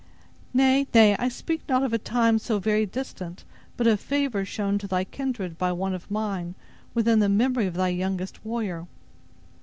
"Nay, nay; I speak not of a time so very distant, but of favor shown to thy kindred by one of mine, within the memory of thy youngest warrior."